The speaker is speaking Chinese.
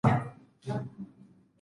设有自动售票机。